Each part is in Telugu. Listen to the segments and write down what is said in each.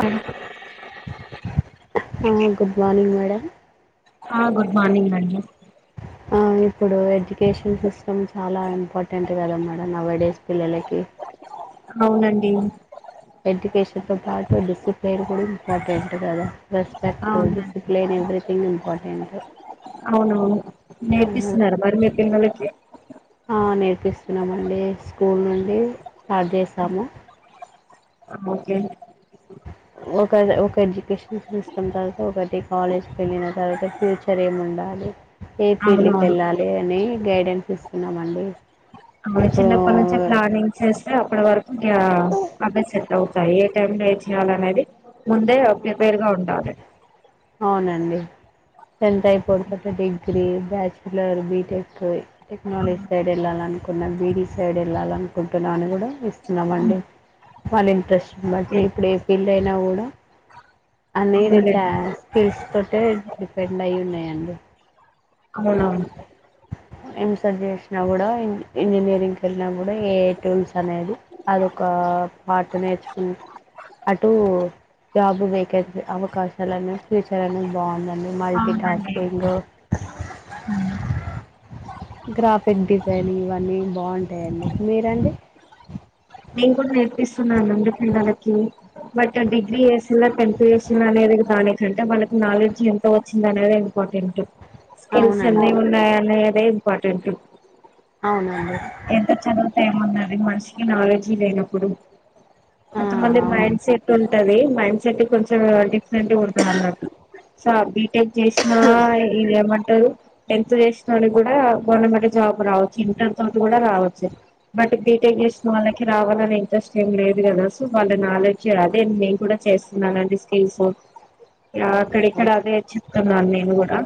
అం ఆ గుడ్ మార్నింగ్ మేడం ఆ గుడ్ మార్నింగ్ నండి. ఆ ఇప్పుడు ఎడ్యుకేషన్ సిస్టమ్ చాలా ఇంపార్టెంట్ కదా మేడం నవైడేస్ పిల్లలికి అవునండి ఎడ్డుకేషన్ తొ పాటు డిసిప్లెన్ కూడా ఇంపాటెంట్ ట్ కద రెస్పెక్ట్, అవునండి డిసిప్లెన్ ఎవ్రిథింగ్ ఇంపాటెంటు నేర్పిస్సున్నర మరి మీ పిల్లలికి అ నేర్పిస్సన్నామండి స్కూల్ నుండి స్టార్ట్ జేసాము. ఓకే ఒక ఒక ఎడ్యుకేషన్ సిస్టమ్ తర్వాత ఒకటి కాలేజ్కి ఎళ్ళిన తర్వాత ఫ్యూచర్ ఏముండాలి. ఏ పీల్డ్ అవునవును కెళ్ళాలి అని గైడెన్స్ ఇస్సున్నమండి. ఔను చిన్నప్పనుంచి ప్లానింగ్ చేస్తే అప్పడ వర గ్యా అవె సెట్ అవ్ తాయి ఏ టైమ్ లో ఏ చేయాలనేది. ముందే ప్రిపేరుగా ఉండాలి. అవునండి టెన్త్ అయిపోన్ తత డిగ్రీ బ్యాచులర్ బీటెక్ అవును టెక్నాలజ్ సైడ్ ఎళ్ళాలన్కున్న బీడీ సైడ్ ఎళ్ళాలన్కుంటున్నా అని కూడా ఇస్తున్నామండి. వాళ్ళ ఇంట్రెస్ట్ ఓకే బట్టి ఇప్పుడు ఏ ఫీల్డ్ అయినా కూడా అనేదే టా అవునులేండి స్కిల్స్ తొ తే డిపెండ్ అయ్యి ఉన్నాయండి. అవ్ నౌను. ఎంసర్ జేస్నా కూడా ఇం ఇంజనీరింగ్కి కెళ్నా కూడా ఏ టూల్స్ అనేది అదొక పార్ట్ నేర్చుకుంట అటు జాబు వేకేట్స్ అవకాశాలనేవి ఫ్యూచర్ అనేది బావుందండి మల్టీ అవునండి టాస్కింగ్ గు ఉమ్ గ్రాఫిక్ డిజైనింగ్ ఇవన్నీ బావుంటయండి మీరండి. నేన్ కూడా నేర్పిస్సున్నానండి, పిల్లలకి బట్ అ డిగ్రీ ఏసిల్ల టెన్త్ వేషన్ ననేది కానె కంటే మనకు నాలెడ్జి ఎంత వచ్చింది అనేది ఇంపాటెంటు స్కిల్స్ ఎన్ని అవునండి ఉన్నాయాన్నయ దే ఇంపార్టెంట్ అవునండి. ఎంత చదువుతె ఏమున్నాది మనిషికి నాలెడ్జీ లేనప్పుడు ఆ కొంత మంది అవును మైండ్ సెట్ ఉంటది. మైండ్ సెట్ కొంచం డిఫరెంటుగ ఉంట అన్నట్టు, సా బి టెక్ జేంస్నా ఎ ఇ ఎమన్ టలు టెన్త్ చేసి నోని కూడా గవర్నమెంట్ జాబ్ రావచ్చు ఇంటర్ తో కూడా రావచ్చు బట్ బీ. టెక్ చేసిన వాళ్ళకి రావాలని ఇంట్రెస్ట్ ఏం లేదు కదా, సో వాళ్ళ నాలెడ్జ్ అదేం నేను కూడా చేస్తున్నానండి స్కిల్స్ నా అక్కడిక్కడ ఎస్ అదేచ్చ తున్నాను నేను కూడా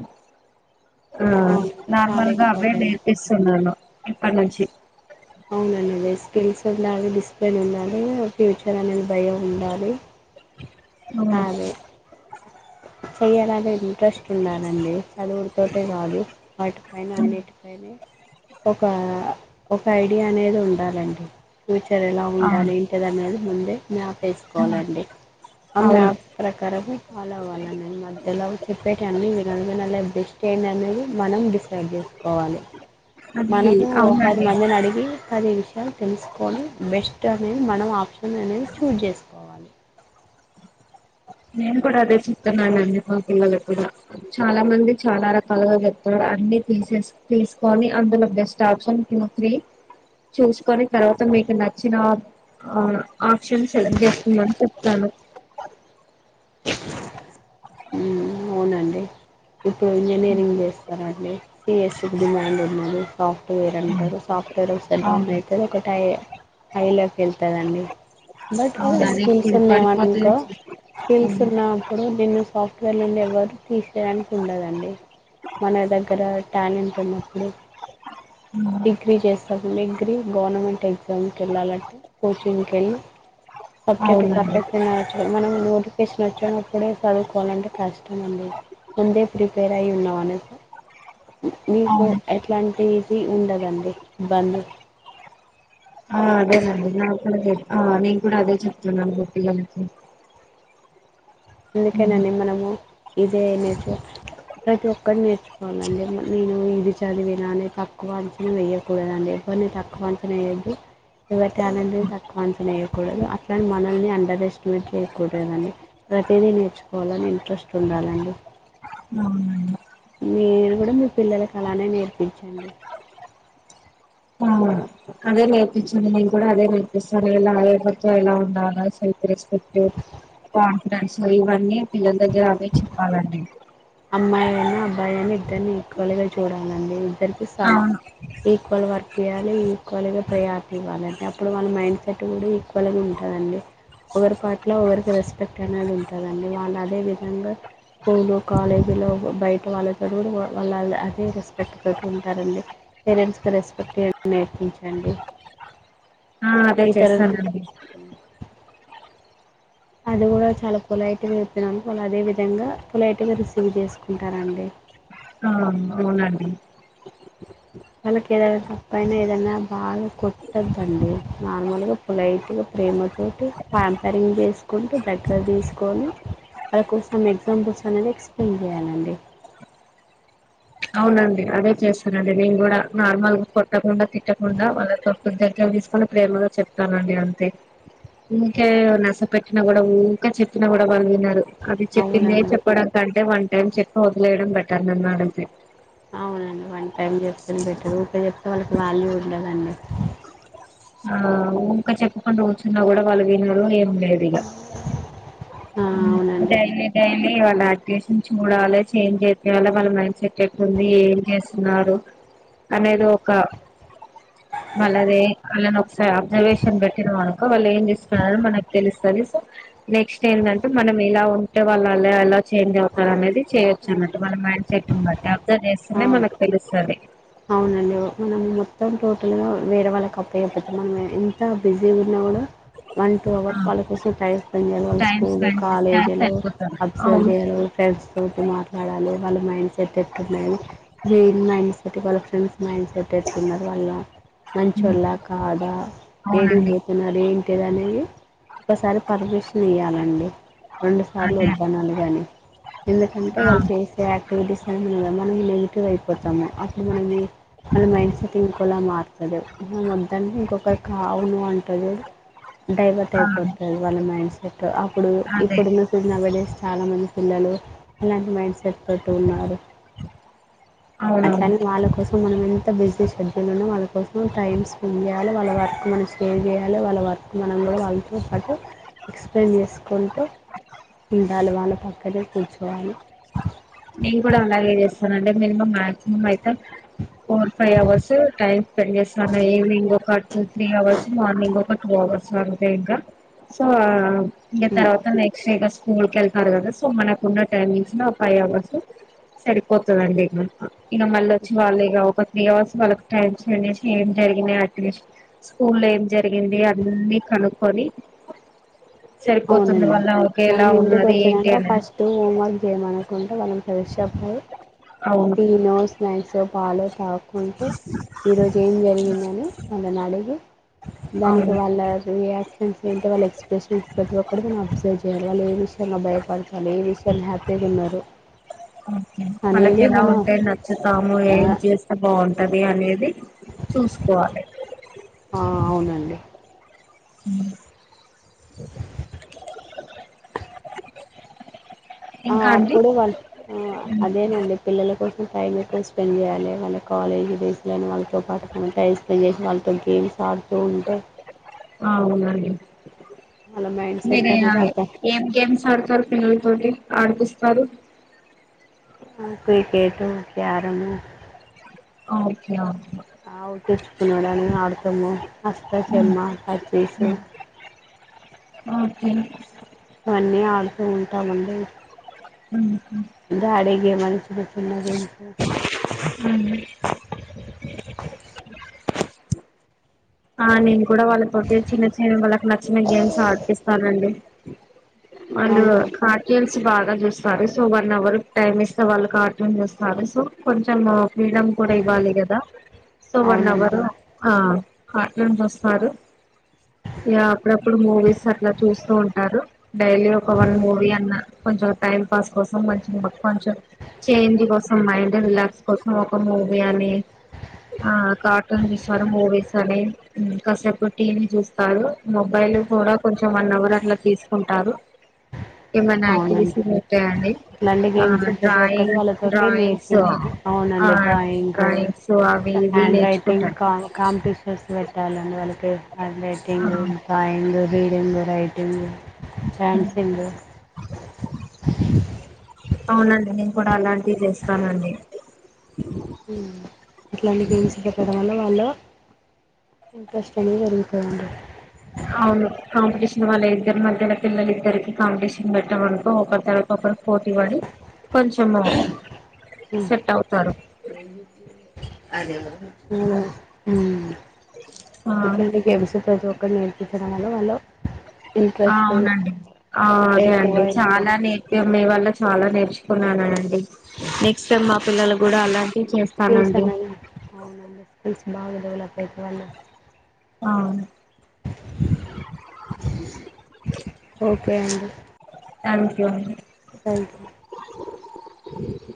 ఆ అవునండి చాలా నార్మల్గా అవే ఇంపార్టెంట్ నేర్పిస్తున్నాను ఇప్పటి నుంచి అవునండి స్కిల్స్ ఉండాలి. డిసిప్లేన్ ఉండాలి. ఫ్యూచర్ అనేది భయం ఉండాలి. అ చెయ్యాలనేది ట్రస్ట్ ఉన్నానండి చదువులతోటే కాదు వాటిపైన అవును అన్నిటిపైనే ఒక ఒక ఐడియా అనేది ఉండాలండి ఫ్యూచర్ ఎలా ఉండాలి ఏంటిదన్నది ముందే మ్యాప్ వేసుకోవాలండి ఆ అవును మ్యాప్ ప్రకారము కావాలన్నాన్ మద్ ఎలాగూ చెప్పేట అన్ని వినాలే, వినాలే బెస్ట్ ఏంటి అనేది మనం డిసైడ్ చేసుకోవాలి. అది మనము ఓ పది అవునండి మందిని అడిగి అదే విషయాలు తెలుసుకొని, బెస్ట్ అనేది మనం ఆప్షన్ అనేది చూజ్ చేసుకోవాలి. నేను కూడా అదే చెప్తున్నానండి. మా పిల్లలకు కూడా చాలా మంది చాలా రకాలుగా చెప్తారు అన్ని తీసేస్ తీసుకొని అందులో బెస్ట్ ఆప్షన్ టూ త్రీ, చూసుకొని తర్వాత మీకు నచ్చిన ఆప్ ఆప్షన్ సెలెక్ట్ చేసుకుందని చెప్తాను. మ్మ్ అవునండి ఇప్పుడు ఇంజనీరింగ్ చేస్ స్తారా సి. ఎస్. కి డిమాండ్ ఉన్నది సాఫ్ట్వేర్ అంటారు సాఫ్ట్వేర్ వొస్తే డౌన్ అయిత ఒక టాయే హైలోకి వెళ్తదండి బట్ అవునండి స్కిల్స్ ఇప్పుడు ఉన్నావన్ కో, పడిపోతుంది స్కిల్స్ ఉన్నప్పుడు నిన్ను సాఫ్ట్వేర్ నుండి ఎవ్వర్ తీ సేయడానికి ఉండదండి మన దగ్గర టాలెంట్ ఉన్నప్పుడు డిగ్రీ చేస్తాం డిగ్రీ గవర్నమెంట్ ఎగ్జామ్కి వెళ్ళాలంటే కోచింగ్కి వెళ్ళి సబ్జెక్ట్ అవునండి పర్ఫెక్ట్ అయినా వచ్చు మనం నోట్ ఫికేషన్ వచ్చినప్పుడే చదువుకోవాలంటే కష్టం అండి ముందే ప్రిపేర్ అయి ఉన్నావా అనే సా మీకు ఎట్లాంటి ఫీ ఉండదండి బంద్ క్కదు నేను కూడా అదే చెప్తాన్నాను ఇగ పిల్లకి అందుకేనండి మనము ఇదే నేర్చుకో ప్రతి ఒక్కరు నేర్చుకోవాలండి నేను ఇది చదివిననే తక్కువ అంచనా వేయ్యకూడదండి ఎవరిని తక్కువ అంచన వయద్దు ఎవరి టాలెంట్ ని తక్కువ అంచనా వయకూడదు అట్లా మనల్ని అండర్ ఎస్టిమేట్ చేయకూడదండి ప్రతిదీ నేర్చుకోవాలని ఇంట్రెస్ట్ ఉండాలండి అవునండి మీరు కూడా మీ పిల్లలలకు అలానే నేర్పించండి ఆ అదే నేర్పించింది నేను కూడా అదే నేర్పిస్తాను ఎలా ఎవతో ఎలా ఉండాల రెస్పెక్ట్ ఆ డాన్స్ లో ఇవ్వడి పిల్లల దగ్గర అదే చెప్పాలండి అమ్మాయి అయిన అబ్బాయి అయిన ఇద్దరిని ఎక్వల్గా చూడాలండి నెర్పిస్తా అవును ఈక్వల్ వర్క్ ఇవ్వాలి ఈక్వల్గా ప్రయారిటీ ఇవ్వాలండి అప్పుడు వాళ్ళ మైండ్ సెట్ కూడా ఈక్వల్గా ఉంటుందండి ఒకరి పట్ల ఒకరికి రెస్పెక్ట్ అనేది ఉంటుందండి వాళ్ళు అదే విధంగా స్కూల్లో కాలేజీలో బయట వాళ్ళతో కూడా వాళ్ళ అదే రెస్పెక్ట్ తోటి ఉంటారండి పేరెంట్స్గ రెస్పెక్ట్ నేర్పంచండి ఆ అదే చేస్తానండి అది కూడా చాలా పొలైట్గా చెప్పిన వాళు వాళ్ళు అదే విధంగా పొలైట్గా రిసీవ్ చేసుకుంటారండి ఆ అవునండి వాళ్ళకి ఏదైనా తప్పైనా ఏదనా బాగా కొట్టద్దండి నార్మల్గా పొలైట్గా ప్రేమతోోటి పంపరింగ్ చేసుకుంటూ దగ్గర తీసుకొని వాళ్ళ కోసం ఎగ్జాంపుల్స్ అనేది ఎక్స్ప్లెయిన్ చేయాలండి అవునండి అదే చేస్తానండి నేను కూడా నార్మల్గా కొట్టకుండా తిట్టకుండా వాళ్ళ తొక్కు దగ్గరలు తీసుకొని ప్రేమగా చెప్తానండి అంతే ఇంకే నస పెట్టినా కూడా ఉంటే చెప్పినా కూడా వాళ్ళు విన్నారు అది చెప్పిందిే అవునన్నా చెప్పడానికంటే వంట ట చెప్ప మొదిలలేయడం బెట్టర్ నన్ను అడుగుతే అవునండి వన్ టైమ్ చెప్తేనే బెటర్ ఊకె చెప్తే వాళ్ళకి వాల్యూ ఉండదండి ఊకా చెప్పకుంటు కుర్చున్నా కూడా వాళ్ళు వినరు ఏం లేేదిగా హ డైలి డైలి వాళ్ళ యాక్టివేషన్ చూడాలి చేంజ్ అయితే వాళ్ళ వాళ్ళ మైండ్ సెట్ ఎక్కంది ఏం చేస్తున్నారు అనేది ఒక వాళ్ళదిే వాళ్ళని ఒకసారి అబ్జర్వేషన్ పెట్టినం వాళ్ళు ఏం చేసుకున్నారో మనకు తెలుస్తది సో నెక్స్ట్ ఏంటంటే మనకి ఇలా ఉంటే వాళ్ళాలే అలా చేంజ్ అవుతారు అనేది చేయొచ్చు అన్నట్టు మన మైండ్ సెట్ ఉ బట్టి అబ్జర్వ్ చేస్తనే ఆ! మనకు తెలుస్తుంది అవునండి మనం మొత్తం టోటల్గా వేరే వాళ్ళకి అప్పు అయకపోతాం మనం ఎంత బిజీ ఉన్నాకూడా వన్ టూ అవర్స్ వాళ్ళ కోసం టైం స్పెండ్ చేయాలి వాళ్ళ టైమ్ స్కూల్ స్పెండ్ చేస్తే అది కాలేజీలో సరిపోతది అబ్సర్వ్ అవును చేయాలి వాళ్ళు ఫ్రెండ్స్ తోటి మాట్లాడాలి వాళ్ళ మైండ్ సెట్ ఎట్న్నాది జన్ మైండ్ సెట్ వాళ్ళ ఫ్రెండ్స్ మైండ్ సెట్ ఎట్న్నారు వాళ్ళ మంచిోళ్ళ కాదా అవునండి ఏడిగిపోతున్నారు ఏంటిదండి ఒకసారి పర్మిషన్ ఇయ్యాలండి రెండుసార్లు అదే వద్దానాలి కానీ ఎందుకంటే ఆ వాళ్ళు చేసేక్ వెనిస్ మనకి నెగిటివ్ అయిపోతాము మనం మన మైండ్ సెట్ ఇంకోలా మారుతుంది మనం వొద్దన్న ఇంకొకరు కావును అంటుంది డైవర్ట్ ఆ అయిపోతుది వాళ్ళ మైండ్ సెట్ అప్పుడు అదే ఇప్పుడున్న [unintelligible] నౌ ఏ డేస్ చాలా మంది పిల్లలు ఇలాంటి మైండ్ సెట్ తోటి ఉన్నారు. అవునవును ఇప్పుడు మనం ఎంత బిజీ షెడ్యూల్ ఉన్నా వాళ్ళ కోసం టైం స్పెండ్ చేయాలి వాళ్ళ వర్క్ మనం స్టే చేయాలి వాళ్ళ వర్క్ మనం కూడా వాళ్ళతో పాటు ఎక్స్ప్లెయిన్ చేసుకుంటూ ఉండాలి వాళ్ళ పక్కనే కూర్చోవాలి నేను కూడా అలాగే చేస్తాను అండి మినిమ మాక్సిమం అయితే four five hours time spend చేస్తాను. ఈవినింగ్ ఒక టూ త్రీ అవర్స్ మార్నింగ్ ఒక టూ అవర్స్ అవుతాయి ఇంకా సో ఇంగ తర్వాత నెక్స్ట్ వీక్స్ స్కూల్ కెళ్తారు కదా సో మనకున్న టైమింగ్స్ ఫైవ్ అవర్స్ సు సరిపోతుందండి ఇగ ఇగ మళ్ళ వచ్చి వాళ్ళు ఇగా ఒక త్రీ అవర్స్ వాళ్ళకు టైమ్ స్పెండ్ చేసి ఏం జరిగింది అట్మిషన్ స్కూల్లో ఏం జరిగింది అన్నీ కనుక్కొని సరిపోతుంది అవునండి వాళ్ళ ఓకే ఎలా మనం ఇంటికి ఉన్నది ఏంటి వచ్చినంక అనేది ఫస్ట్ హోం వర్క్ చేయమనుకుంటే మనం తరిషా ఫ అవును టీనో స్నాక్సో పాలు త కుంటూ ఈరోజు ఏం జరిగిందని వాళ్ళని అడిగి దానికి అవును వాళ్ళ రియాక్షన్స్ ఏంటి వాళ్ళ ఎక్స్ప్రెషన్స్ ఎక్కడికైనా అబ్జర్వ్ చెయ్యాలి వాళ్ళు ఏ విషయంలో భయపడతాలి ఏ విషయాంలో హ్యాపీగా ఉన్నారు ఓకే వాళ్ళకి అనేది ఎలా మన ఉంటే నచ్చుతాము ఏం చేస్తే బాగుంటది అనేది చూసుకోవాలే ఆ అవునండి మ్మ్ ఆ ఇంకా అండి అప్పుడు వాళ్ళ అదేనండి పిల్లల కోసం టైం ఎక్కువ స్పెండ్ చేయ్యాలి వాళ్ళ కాలేజీ రేస్లేనే వాళ్ళ తో పాటు మనం టైం స్పెండ్ చేసి వాళ్ళతో గేమ్స్ ఆడుతూ ఉంటే అవునండి వాళ్ళ మైండ్ సెట్ మీరు అనేది అత ఏం గేమ్స్ ఆడతారు పిల్లలతోటి ఆడిపిస్తారు ఆ క్రికెటు క్యారము ఓకే ఆ అష్ట ఉమ్, చెమ్మా పచ్చీసు ఒకే అన్నీ ఆడుతూ ఉంటామండి మ్మ్ దే అడిగి గేమలు చిన్న చిన్న గేమ్స్ ఆ నేను కూడా వాళ్ళతోటి చిన్న చిన్న వాళ్ళకి నచ్చిన గేమ్స్ ఆడిపిస్తానండి. అండ్ అవును కార్ట్యున్స్ చి బాగా చూస్తారు సో వన్ అవర్ టైమ్ ఇస్తే వాళ్ళు కార్టున్స్ చూస్తారు సో కొంచెం ఫ్రీడం కూడా ఇవ్వాలి కదా. సో వన్ అవునండి అవర్ ఆ కార్టున్ చూస్తారు. ఇగా అప్పుడప్పుడు మూవీస్ అట్లా చూస్తూ ఉంటారు. డైలీ ఒక వన్ మూవీ అన్నా. కొంచం టైం పాస్ కోసం మంచి కొంచెం చేంజ్ కోసం మైండ్ రిలాక్స్ కోసం ఒక మూవీ అని ఆ కార్టూన్ చూస్తారు, మూవీస్ అని కాసేపు టీవీ చూస్త రు మొబైల్ కూడా కొంచెం వన్ అవర్ అట్లా తీసుకుంటారు. ఏమైనా అవునండి. యాక్టివిటీస్ ఉంటాయండి ఇట్లాంటి ఆ గేమ్స్ ప్రతి ఒక్కటి డ్రాయింగ్ వాళ్ళతోటి డ్రాయింగ్స్ నేర్పించ ఆ అవునండి, డ్రాయింగ్ డ్రాయింగ్స్ అవి ఇవి హ్యాండ్ రైటింగ్ కా నేర్చుకుంటారు కాంపిటీషన్స్ పెట్టాలండి. వాళ్ళకి handwriting writing, drawing reading, writing dancing అవునండి. నేను కూడా అలాంటివి చేస్తానండి. హ్ అట్లాంటి గేమ్స్ ఇయటం వల్లా వాల్లో ఇంట్రెస్ట్ అనేది పెరుగుతది అండి. అవును కాంపిటీషన్ వాళ్ళ ఇద్దరి మధ్యలో పిల్లలు ఇద్దరికి కాంపిటీషన్ పెట్టాము అనుకో ఒకరి తర్వాత ఒకరు పోటీ పడి కొంచెము హ్ [inaudible] సెట్ అవుతారు హ్ ఆ ఇట్లాంటి గేమ్స్ ప్రతి ఒ కటి నేర్పించడం వళ్ళా వాళ్ళో అవునండి ఆ అదే ఎక్కువ అండి ఇంకా చాలా నేర్పియం మీ వల్లా చాలా నేర్చుకున్నానండి నెక్స్ట్ టైమ్ మా పిల్లలు కూడా అలా పిల్స్ [inaudible] అవునండి స్పిల్స్ బాగడెవలప్ అవును [inaudible] ఓ కే అండి. Thank you [inaudible] thank you